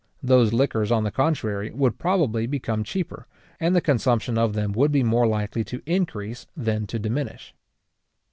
Those liquors, on the contrary, would probably become cheaper, and the consumption of them would be more likely to increase than to diminish.